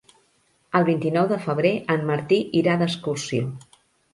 El vint-i-nou de febrer en Martí irà d'excursió.